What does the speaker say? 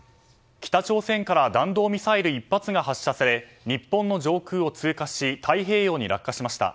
北朝鮮から弾道ミサイル１発が発射され日本の上空を通過し太平洋に落下しました。